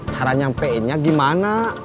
cara nyampeinnya gimana